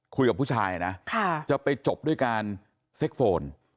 คุยกับผู้ชายนะจะไปจบด้วยการเซ็กโฟน